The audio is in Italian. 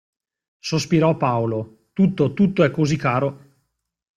Sospirò Paolo, – tutto, tutto è così caro!